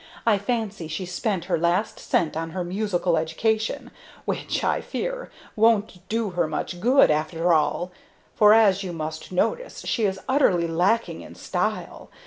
I fancy she spent her last cent on her musical education, which, I fear, won't do her much good, after all; for, as you must notice, she is utterly lacking in style.